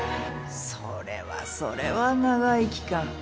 それはそれは長い期間